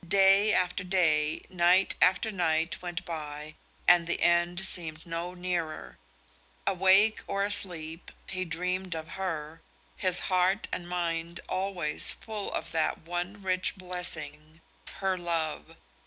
Day after day, night after night went by and the end seemed no nearer. Awake or asleep, he dreamed of her, his heart and mind always full of that one rich blessing, her love.